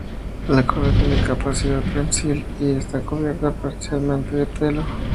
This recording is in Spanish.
La cola tiene capacidad prensil y está cubierta parcialmente de pelo.